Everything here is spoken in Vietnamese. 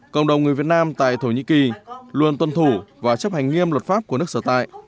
cộng đồng người việt nam tại thổ nhĩ kỳ luôn tuân thủ và chấp hành nghiêm luật pháp của nước sở tại